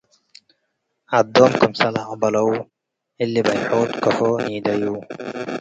ዐዶ'ም ክምሰል ዐቅበለው፤ “እሊ' በይሖት ከአፎ ኒደዮ?”